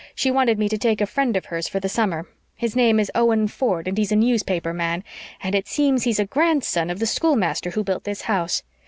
She wanted me to take a friend of hers for the summer. His name is Owen Ford, and he's a newspaper man, and it seems he's a grandson of the schoolmaster who built this house.